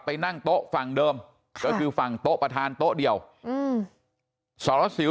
นั่งโต๊ะฝั่งเดิมก็คือฝั่งโต๊ะประธานโต๊ะเดียวอืมสรสิว